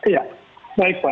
ya baik pak